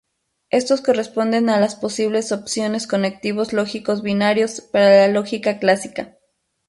Estos corresponden a las posibles opciones conectivos lógicos binarios para la lógica clásica.